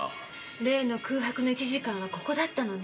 例の空白の１時間はここだったのね。